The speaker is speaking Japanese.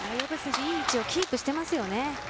いい位置をキープしてますよね。